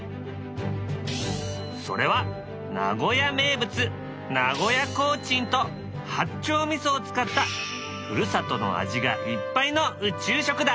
それは名古屋名物名古屋コーチンと八丁味噌を使ったふるさとの味がいっぱいの宇宙食だ。